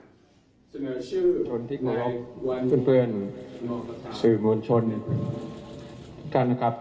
สโมชุดลชุนที่ขอรกทุกวันเพื่อนสิ่งมหัวคนชน